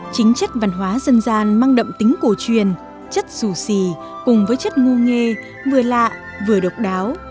chính chất văn hóa dân gian mang đậm tính cổ truyền chất xù xì cùng với chất ngu nghê vừa lạ vừa độc đáo